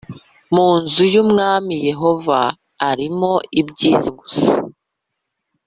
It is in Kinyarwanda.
mu nzu y’umwami Yehova arimo ibyiza gusa